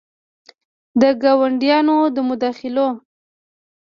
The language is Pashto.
د ګاونډیانو د مداخلو